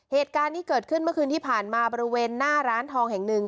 เหตุการณ์ที่เกิดขึ้นเมื่อคืนที่ผ่านมาบริเวณหน้าร้านทองแห่งหนึ่ง